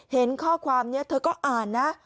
เห็นข้อความนี้เธอก็อ่านนะ